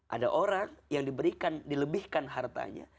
ada orang yang diberikan dilebihkan hartanya